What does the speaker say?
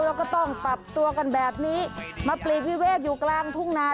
เราก็ต้องตับตัวกันแบบนี้มาปรีกวิเวศบรรยายอยู่กลางถุงนา